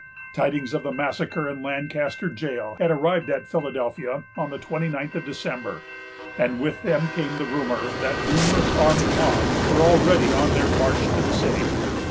Tidings of the massacre in Lancaster jail had arrived at Philadelphia on the twenty ninth of December, and with them came the rumor that numerous armed mobs were already on their march to the city.